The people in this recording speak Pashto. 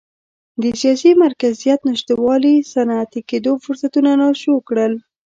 د سیاسي مرکزیت نشتوالي صنعتي کېدو فرصتونه ناشو کړل.